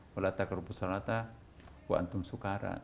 walau tak kerupuk salatah wantum sukarat